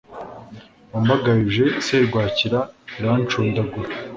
wambagayuje serwakira, irancundagura